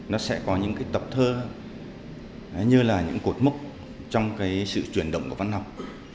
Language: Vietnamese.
nó sẽ có những tập thơ như là những cột mốc trong sự chuyển động của văn học